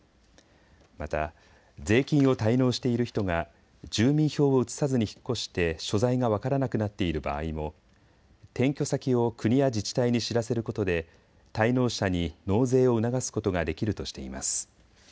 また税金を滞納している人が住民票を移さずに引っ越して所在が分からなくなっている場合も転居先を国や自治体に知らせることで滞納者に納税を促すことができるとしています。